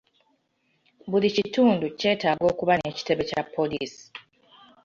Buli kitundu kyetaaga okuba n'ekitebe Kya poliisi.